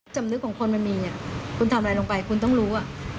สำนึกของคนมันมีคุณทำอะไรลงไปคุณต้องรู้